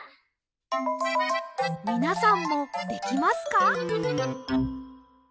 みなさんもできますか？